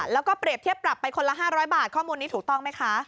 แล้วก็เปรียบเทียบปรับไปคนละ๕๐๐บาทข้อมูลนี้ถูกต้องไหมคะ